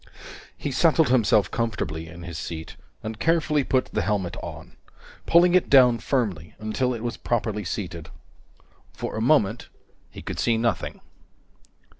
He settled himself comfortably in his seat, and carefully put the helmet on, pulling it down firmly until it was properly seated. For a moment, he could see nothing.